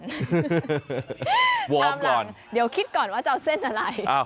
ตามหลังเดี๋ยวคิดก่อนว่าจะเอาเส้นอะไร